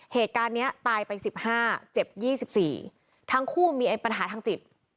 เหตุการณ์นี้ตายไป๑๕เจ็บ๒๔ทั้งคู่มีปัญหาทางจิต